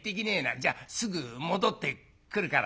「じゃすぐ戻ってくるから。